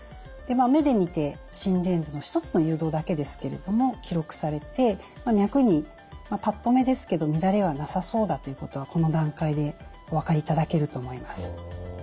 目で見て心電図の１つの誘導だけですけれども記録されて脈にぱっと目ですけど乱れはなさそうだということはこの段階でお分かりいただけると思います。